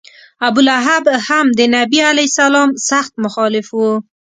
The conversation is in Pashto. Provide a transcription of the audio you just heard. ابولهب هم د نبي علیه سلام سخت مخالف و.